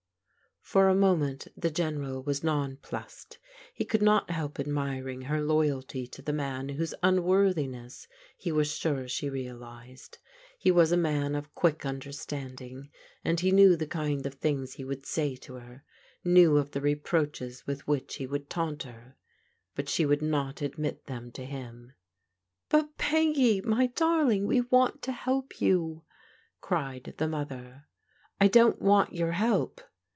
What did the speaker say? For a moment the General was nonplussed. He could not help admiring her loyalty to the man whose imworthiness he was svite ^^ t^^vl^^ '^'t ^«^&^ tnan THE HOME OF THE BARNES 291 of quick understanding and he knew the kind of things he would say to her, laiew of the reproaches with which he would taunt her. But she would not admit them to him. " But, Peggy, my dariing, we want to help you," cried the mother. " I don't want your help."